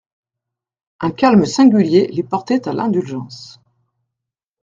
Un calme singulier les portait à l'indulgence.